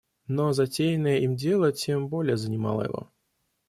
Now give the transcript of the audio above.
Но затеянное им дело тем более занимало его.